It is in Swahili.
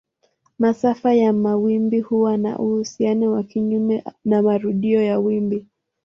Masafa ya mawimbi huwa na uhusiano wa kinyume na marudio ya wimbi.